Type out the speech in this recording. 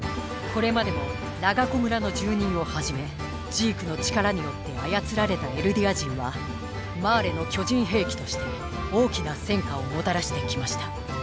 これまでもラガコ村の住人をはじめジークの力によって操られたエルディア人はマーレの巨人兵器として大きな戦果をもたらしてきました。